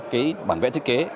cái bản vẽ thiết kế